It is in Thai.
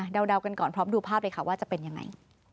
เดากันก่อนพร้อมดูภาพเลยค่ะว่าจะเป็นยังไง